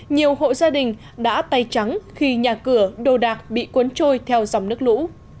nhiều hộ gia đình đã tay trắng khi nhà cửa đồ đạc bị cuốn trôi theo dòng nước lũ